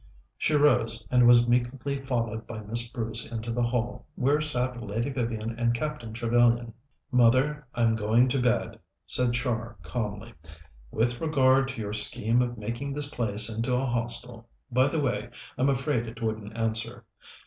She rose, and was meekly followed by Miss Bruce into the hall, where sat Lady Vivian and Captain Trevellyan. "Mother, I'm going to bed," said Char calmly. "With regard to your scheme of making this place into a hostel, by the way, I'm afraid it wouldn't answer.